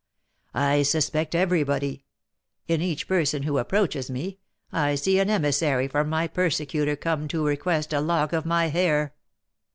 I suspect everybody, in each person who approaches me I see an emissary from my persecutor come to request a lock of my hair.